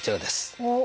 おっ！